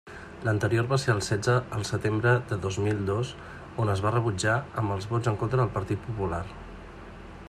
L'anterior va ser el setze el setembre de dos mil dos on es va rebutjar amb els vots en contra del Partit Popular.